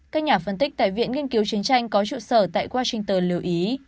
các nhà phân tích tại viện nghiên cứu chiến tranh có trụ sở tại washington lưu ý